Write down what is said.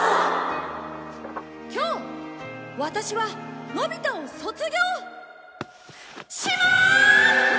今日ワタシはのび太を卒業します！